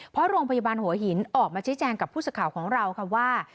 เพราะโรงพยาบาลหัวหินออกมาชี้แจงกับผู้สื่อข่าวของเราค่ะว่า